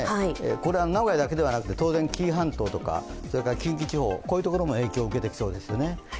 これは名古屋だけでなく、当然紀伊半島、近畿地方も影響を受けてきそうですよね。